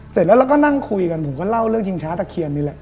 เสร็จแล้วเราก็นั่งคุยกันผมก็เล่าเรื่องชิงช้าตะเคียนนี่แหละ